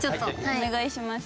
お願いします。